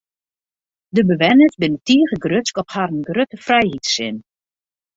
De bewenners binne tige grutsk op harren grutte frijheidssin.